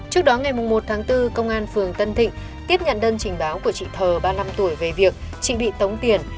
trước đó ngày một tháng bốn công an phường tân thịnh tiếp nhận đơn trình báo của chị th ba mươi năm tuổi về việc chị bị tống tiền